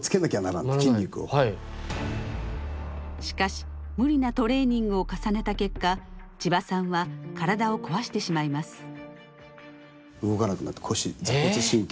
しかし無理なトレーニングを重ねた結果千葉さんは体を壊してしまいます。